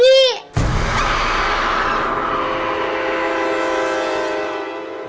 tante ranti udah pergi